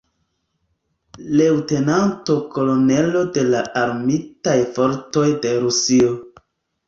Leŭtenanto Kolonelo de la Armitaj Fortoj de Rusio.